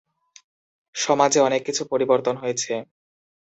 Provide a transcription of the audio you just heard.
সমাজে অনেক কিছু পরিবর্তন হয়েছে।